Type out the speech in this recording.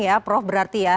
ya prof berarti ya